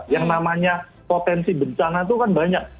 yang namanya potensi bencana itu kan banyak